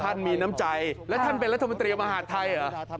มีน้ำใจแล้วท่านเป็นรัฐมนตรีมหาดไทยเหรอ